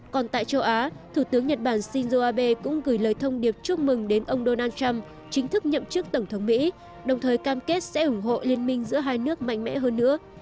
còn tại châu á thủ tướng nhật bản shinzo abe cũng gửi lời thông điệp chúc mừng đến ông donald trump chính thức nhậm chức tổng thống mỹ đồng thời cam kết sẽ ủng hộ liên minh giữa hai nước mạnh mẽ hơn nữa